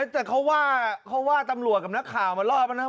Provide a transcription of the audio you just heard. แต่เขาว่าตำรวจกับนักข่าวมารอบมันน่ะ